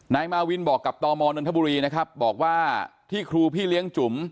นายมาวินบอกกับตมนนทบุรีนะครับบอกว่าที่ครูพี่เลี้ยงจุ๋ม